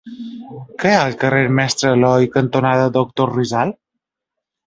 Què hi ha al carrer Mestre Aloi cantonada Doctor Rizal?